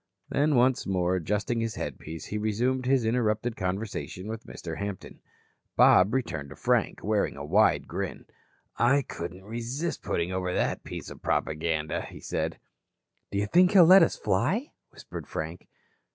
Then, once more adjusting his headpiece, he resumed his interrupted conversation with Mr. Hampton. Bob returned to Frank, wearing a wide grin. "I couldn't resist putting over that piece of propaganda," he said. "Do you think he'll let us fly?" whispered Frank.